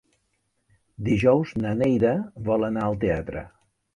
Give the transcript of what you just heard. Dijous na Neida vol anar al teatre.